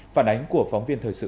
phản ánh của phóng viên thời sự